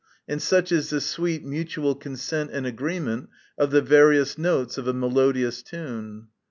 And such is the sweet mutual consent and agreement of the various notes of a melodious tune.